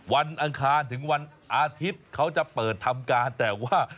อังคารถึงวันอาทิตย์เขาจะเปิดทำการแต่ว่า